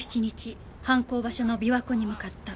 犯行場所の琵琶湖に向かった。